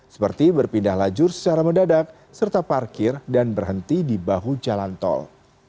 seperti berpindah lajur secara mendadak serta parkir dan berhenti di bahu jalan tol